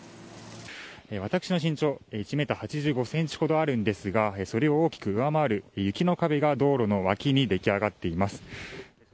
私の身長１ｍ８５ｃｍほどあるんですがそれを大きく上回る雪の壁が道路の脇に出来上がっています。